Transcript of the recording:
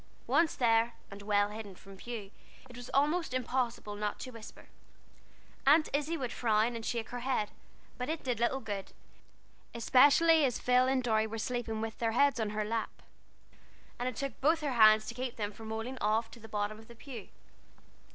Once there, and well hidden from view, it was almost impossible not to whisper. Aunt Izzie would frown and shake her head, but it did little good, especially as Phil and Dorry were sleeping with their heads on her lap, and it took both her hands to keep them from rolling off into the bottom of the pew.